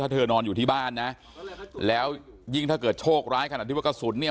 เธอนอนอยู่ที่บ้านนะแล้วยิ่งถ้าเกิดโชคร้ายขนาดที่ว่ากระสุนเนี่ย